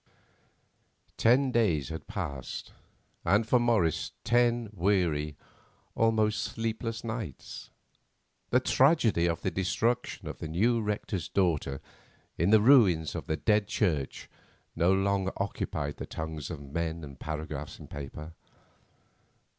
Ten days had passed, and for Morris ten weary, almost sleepless, nights. The tragedy of the destruction of the new rector's daughter in the ruins of the Dead Church no longer occupied the tongues of men and paragraphs in papers.